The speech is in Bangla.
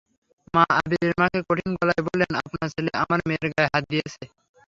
মা আবীরের মাকে কঠিন গলায় বললেন, আপনার ছেলে আমার মেয়ের গায়ে হাত দিয়েছে।